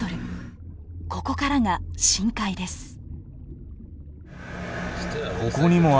ここからが深海です。